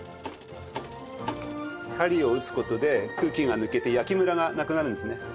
針を打つ事で空気が抜けて焼きムラがなくなるんですね。